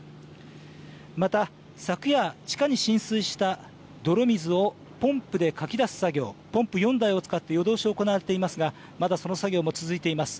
また、昨夜、地下に浸水した泥水をポンプでかき出す作業、ポンプ４台を使って夜通し行われていますが、まだその作業も続いています。